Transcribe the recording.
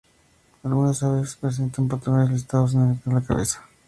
Algunas aves presentan patrones listados en esta parte de la cabeza.